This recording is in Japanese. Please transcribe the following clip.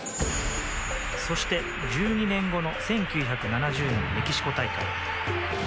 そして１２年後の１９７０年メキシコ大会。